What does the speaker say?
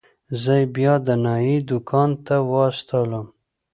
زه يې بيا د نايي دوکان ته واستولم.